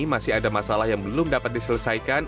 masih ada masalah yang belum dapat diselesaikan